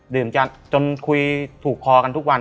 ดื่มกันจนคุยถูกพอกันทุกวัน